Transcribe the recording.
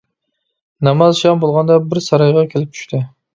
ناماز شام بولغاندا بىر سارايغا كېلىپ چۈشتى.